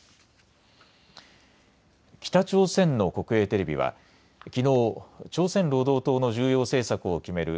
北朝鮮の国営テレビはきのう、朝鮮労働党の重要政策を決める